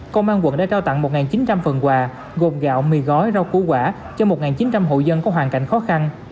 công an quận đã trao tặng một chín trăm linh phần quà gồm gạo mì gói rau củ quả cho một chín trăm linh hộ dân có hoàn cảnh khó khăn